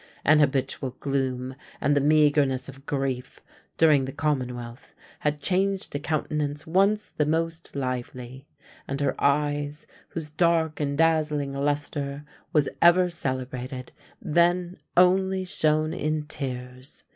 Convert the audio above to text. An habitual gloom, and the meagreness of grief, during the commonwealth, had changed a countenance once the most lively; and her eyes, whose dark and dazzling lustre was ever celebrated, then only shone in tears.